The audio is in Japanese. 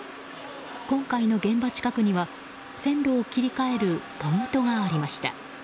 今回の現場近くには線路を切り替えるポイントがありました。